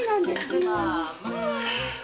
まあまあ。